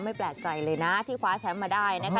แปลกใจเลยนะที่คว้าแชมป์มาได้นะคะ